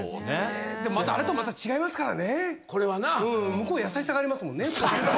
向こう優しさがありますもんね。